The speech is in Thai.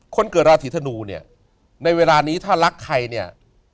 คนเกิดราศีธนูเนี่ยในเวลานี้ถ้ารักใครเนี่ย